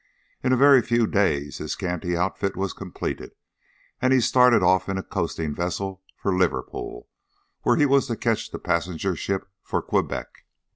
In a very few days his scanty outfit was completed, and he started off in a coasting vessel for Liverpool, where he was to catch the passenger ship for Quebec.